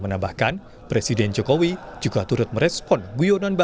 jadi pak presiden juga mengetawa